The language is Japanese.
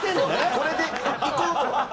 これで行こうと。